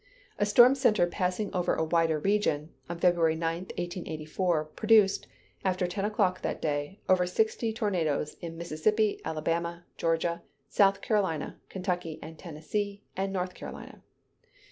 A storm center passing over a wider region, on February 9, 1884, produced, after ten o'clock that day, over sixty tornadoes in Mississippi, Alabama, Georgia, South Carolina, Kentucky and Tennessee, and North Carolina.